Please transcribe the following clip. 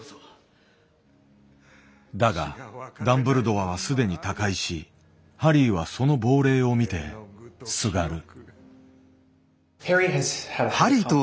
だがダンブルドアは既に他界しハリーはその亡霊を見てすがる。